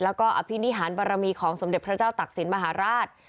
แล้วก็อภินิหารบารมีของสมเด็จพระเจ้าตักศิลปมหาราช